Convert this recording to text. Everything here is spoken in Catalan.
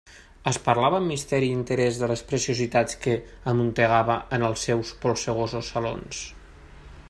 Es parlava amb misteri i interès de les preciositats que amuntegava en els seus polsegosos salons.